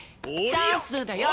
チャンスだよ！